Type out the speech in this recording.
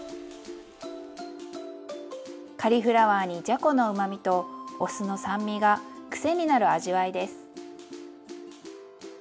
カリフラワーにじゃこのうまみとお酢の酸味が癖になる味わいです。